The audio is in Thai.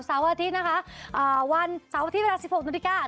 เช้าอาทิตย์นะคะวันเช้าอาทิตย์เวลา๑๖น